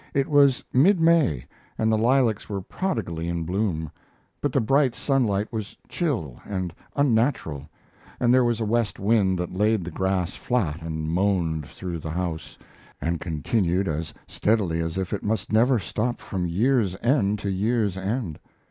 It was mid May and the lilacs were prodigally in bloom; but the bright sunlight was chill and unnatural, and there was a west wind that laid the grass flat and moaned through the house, and continued as steadily as if it must never stop from year's end to year's end.